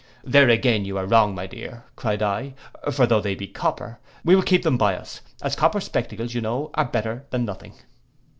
'There again you are wrong, my dear,' cried I; 'for though they be copper, we will keep them by us, as copper spectacles, you know, are better than nothing.